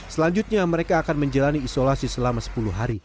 selanjutnya mereka akan menjalani isolasi selama sepuluh hari